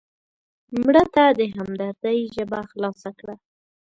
مړه ته د همدردۍ ژبه خلاصه کړه